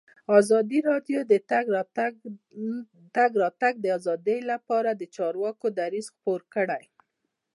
ازادي راډیو د د تګ راتګ ازادي لپاره د چارواکو دریځ خپور کړی.